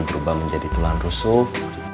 berubah menjadi tulang rusuh